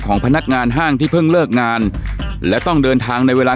พนักงานห้างที่เพิ่งเลิกงานและต้องเดินทางในเวลา